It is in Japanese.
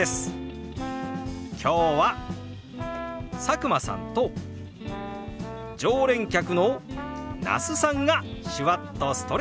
今日は佐久間さんと常連客の那須さんが手話っとストレッチ！